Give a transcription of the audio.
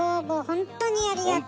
本当にありがとうね。